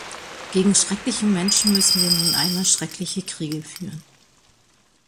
Gegen schreckliche Menschen müssen wir nun einmal schreckliche Kriege führen.